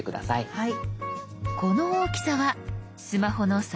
はい。